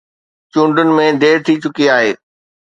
چونڊن ۾ دير ٿي چڪي آهي.